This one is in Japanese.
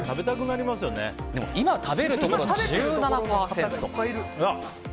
今食べるところ１７％。